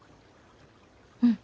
うん。